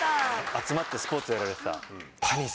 集まってスポーツやられてた谷さん。